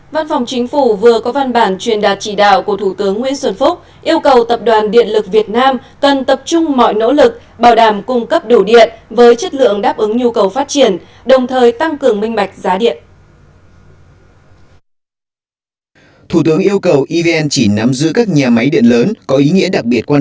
văn phòng chính phủ vừa có văn bản truyền đạt chỉ đạo của thủ tướng nguyễn xuân phúc yêu cầu tập đoàn điện lực việt nam cần tập trung mọi nỗ lực bảo đảm cung cấp đủ điện với chất lượng đáp ứng nhu cầu phát triển